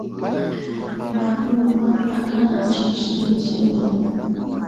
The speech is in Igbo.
ma bụrụkwa aka na-achị steeti Ebonyi